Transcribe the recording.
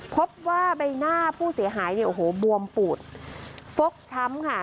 พบว่าใบหน้าผู้เสียหายเนี่ยโอ้โหบวมปูดฟกช้ำค่ะ